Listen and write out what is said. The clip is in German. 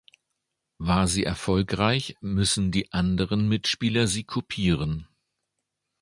War sie erfolgreich, müssen die anderen Mitspieler sie kopieren.